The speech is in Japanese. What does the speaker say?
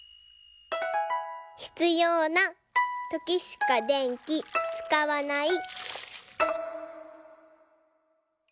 「ひつようなときしか電気使わない」